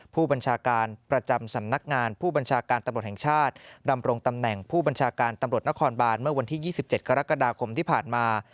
ผู้บัญชาการประจำสำนักงานผู้บัญชาการตำรวจแห่งชาติดำรงตำแหน่งผู้บัญชาการตำรวจนครบานเมื่อวันที่๒๗กรกฎาคมที่ผ่านมา